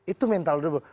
itu mental order baru